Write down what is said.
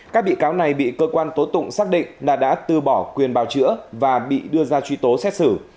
các bị cáo này bị cơ quan tố tụng xác định là đã tư bỏ quyền bào chữa và bị đưa ra truy tố xét xử